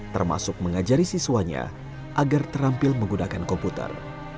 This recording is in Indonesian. termasuk mengajari siswanya agar terampil menggunakan komputer